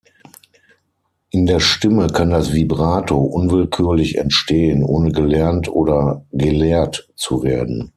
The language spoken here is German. In der Stimme kann das Vibrato unwillkürlich entstehen, ohne gelernt oder gelehrt zu werden.